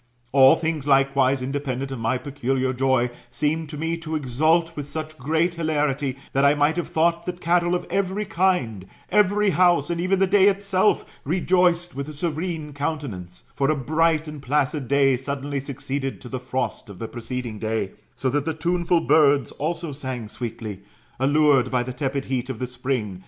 All things likewise, independent of my peculiar joy, seemed to roe to exult with such great hilarity, that I roight have thought that cattle of every kind, every house, and even the day itself, rejoiced with a serene countenance; for a bright and placid day suddenly succeeded to the frost of the preceding day ; so that the tuneful birds also sang sweetly, allured by the tepid heat of the spring.